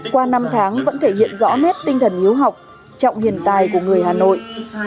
qua năm tháng vẫn thể hiện rõ nét tinh thần hiếu học trọng hiền tài của người hà nội